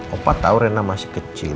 opa tahu rena masih kecil